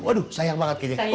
waduh sayang banget ke dia